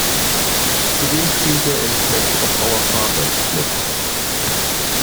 Zudem spielte er in "Flags of Our Fathers" mit.